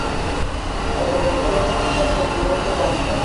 তাঁকে দেখে মনে হচ্ছে একটা জীবন্ত কঙ্কাল।